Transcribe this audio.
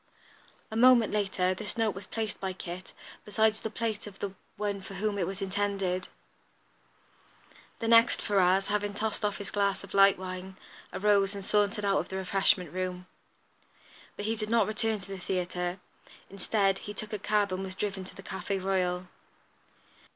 A moment later this note was placed, by Kit, beside the plate of the one for whom it was intended. The next, Ferrars, having tossed off his glass of light wine, arose and sauntered out of the refreshment room. But he did not return to the theatre. Instead, he took a cab and was driven to the Café Royal.